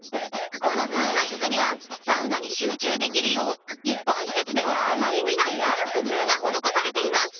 このサウナ室にはサウナに集中できるよう一般施設ではあまり見ないある工夫が施されています。